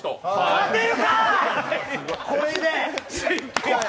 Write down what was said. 勝てるか！